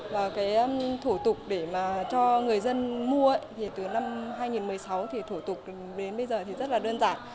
và cái thủ tục để mà cho người dân mua thì từ năm hai nghìn một mươi sáu thì thủ tục đến bây giờ thì rất là đơn giản